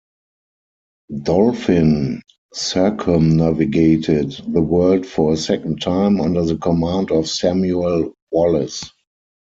"Dolphin" circumnavigated the world for a second time, under the command of Samuel Wallis.